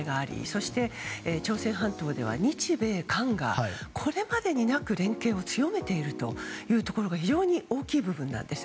そして、朝鮮半島では日米韓がこれまでになく連携を強めているところが非常に大きい部分なんです。